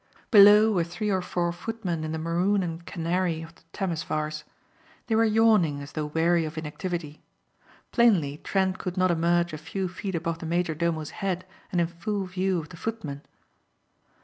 Below were three or four footmen in the maroon and canary of the Temesvars. They were yawning as though weary of inactivity. Plainly Trent could not emerge a few feet above the major domo's head and in full view of the footmen.